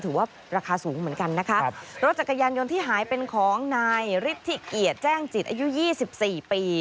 ถือว่าราคาสูงเหมือนกันนะคะครับรถจักรยานยนต์ที่หายเป็นของนายฤทธิเกียรติแจ้งจิตอายุยี่สิบสี่ปี